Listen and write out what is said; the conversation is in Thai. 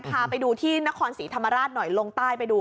พาไปดูที่นครศรีธรรมราชหน่อยลงใต้ไปดู